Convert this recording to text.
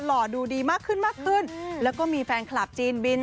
หล่อดูดีมากขึ้นมากขึ้นแล้วก็มีแฟนคลับจีนบิน